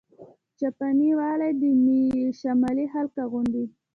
چپنې ولې د شمال خلک اغوندي؟